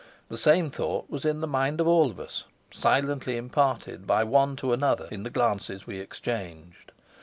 The same thought was in the mind of all of us, silently imparted by one to another in the glances we exchanged.